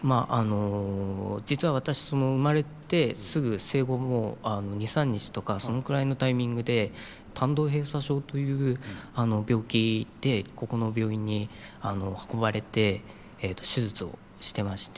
実は私生まれてすぐ生後２３日とかそのくらいのタイミングで胆道閉鎖症という病気でここの病院に運ばれて手術をしてまして。